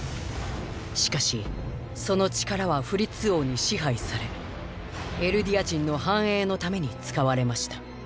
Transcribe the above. しかしその力はフリッツ王に支配されエルディア人の繁栄のために使われました。